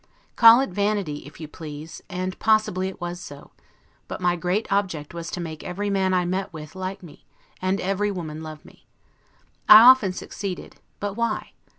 Call it vanity, if you please, and possibly it was so; but my great object was to make every man I met with like me, and every woman love me. I often succeeded; but why?